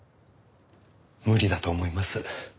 無理だと思います。